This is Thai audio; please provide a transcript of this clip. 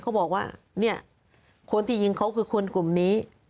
เขาบอกว่าเนี่ยคนที่ยิงเขาคือคนกลุ่มนี้